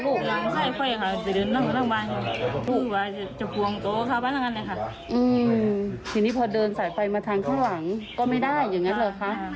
ทีนี้พอเดินสายไฟมาทางข้างหลังก็ไม่ได้อย่างนั้นเหรอคะ